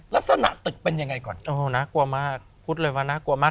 ลักษณะตึกเป็นยังไงก่อนโอ้น่ากลัวมากพูดเลยว่าน่ากลัวมาก